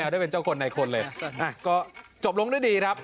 ได้เป็นเจ้าคนในคนเลยก็จบลงด้วยดีครับ